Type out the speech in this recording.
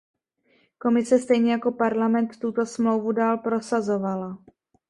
Komise, stejně jako Parlament, tuto smlouvu dál prosazovala.